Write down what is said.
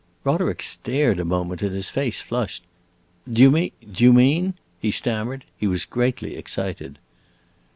Roderick stared a moment and his face flushed. "Do you mean do you mean?".... he stammered. He was greatly excited.